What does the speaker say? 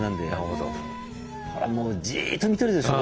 ほらもうじっと見てるでしょ